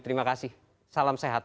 terima kasih salam sehat